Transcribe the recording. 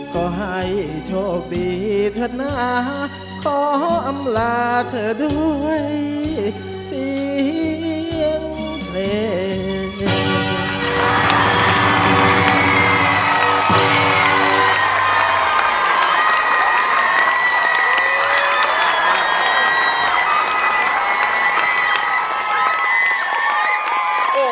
ก็ให้โชคดีเถอะนะขออำลาเธอด้วยเสียงเพลง